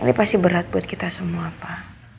ini pasti berat buat kita semua pak